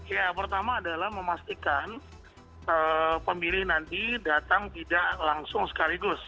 ya pertama adalah memastikan pemilih nanti datang tidak langsung sekaligus